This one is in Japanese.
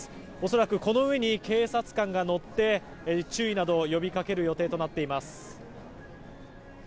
恐らく、この上に警察官が乗って注意などを呼び掛ける予定となっています。